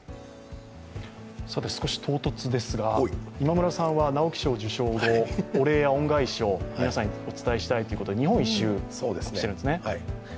少し唐突ですが、今村さんは直木賞受賞後、お礼や恩返しを皆さんにお伝えしたいということで、日本一周しているんですね。